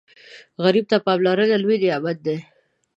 غریب ته پاملرنه لوی نعمت وي